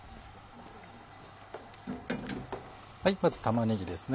まず玉ねぎですね。